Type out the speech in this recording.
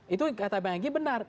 itu kata bang egy benar